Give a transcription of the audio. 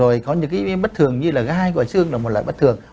rồi có những cái bất thường như là gai của xương là một loại bất thường